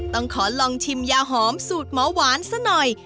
ต้องขอลองชิมยาหอมสูตรหมอหวานซะหน่อย